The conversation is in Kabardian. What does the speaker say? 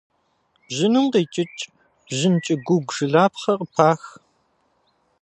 Бжьыным къикӏыкӏ бжьын кӏыгум жылапхъэ къыпах.